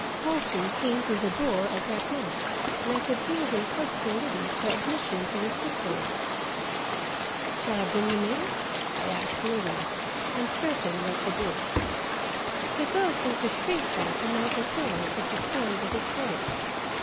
Halsey came to the door at that moment and I could hear him coaxing Liddy for admission to the sick room. "Shall I bring him in?" I asked Louise, uncertain what to do. The girl seemed to shrink back among her pillows at the sound of his voice.